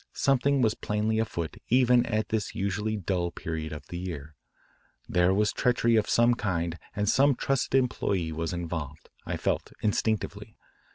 Something was plainly afoot even at this usually dull period of the year. There=20was treachery of some kind and some trusted employee was involved, I felt instinctively.